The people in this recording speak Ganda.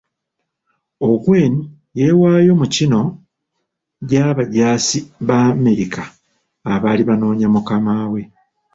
Ongwen yeewaayo mu kino gy'abajaasi ba Amerika abali banoonya mukama we